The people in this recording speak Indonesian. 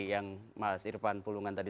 yang mas irfan pulungan tadi